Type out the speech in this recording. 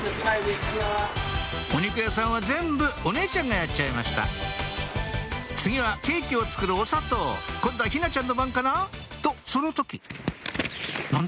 お肉屋さんは全部お姉ちゃんがやっちゃいました次はケーキを作るお砂糖今度は陽菜ちゃんの番かな？とその時何だ？